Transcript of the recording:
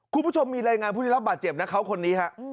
คุณผู้ชมมีรายงานผู้ได้รับบาดเจ็บนะเขาคนนี้ฮะ